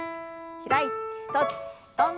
開いて閉じて跳んで。